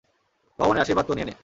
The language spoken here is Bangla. ভগবানের আশীর্বাদ তো নিয়ে নে।